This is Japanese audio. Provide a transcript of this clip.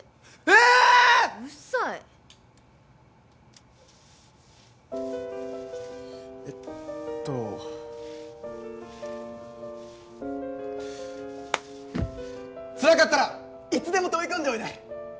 うっさいえっとつらかったらいつでも飛び込んでおいで